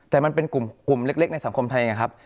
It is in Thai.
แต่มันเป็นกลุ่มเล็กในสังคมไทยไงครับ